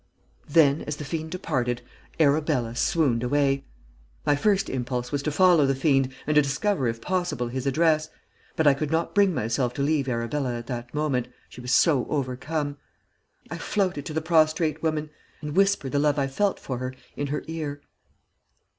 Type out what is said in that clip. "Then as the fiend departed Arabella swooned away. My first impulse was to follow the fiend, and to discover if possible his address; but I could not bring myself to leave Arabella at that moment, she was so overcome. I floated to the prostrate woman, and whispered the love I felt for her in her ear.